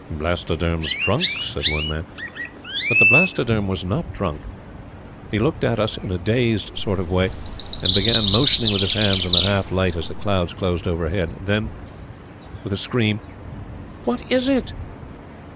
"Blastoderm's drunk," said one man. But the Blastoderm was not drunk. He looked at us in a dazed sort of way, and began motioning with his hands in the half light as the clouds closed overhead. Then with a scream: "What is it?